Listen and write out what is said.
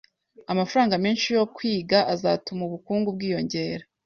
Amafaranga menshi yo kwiga azatuma ubukungu bwiyongera